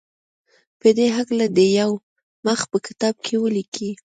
په دې هکله دې یو مخ په کتابچه کې ولیکي.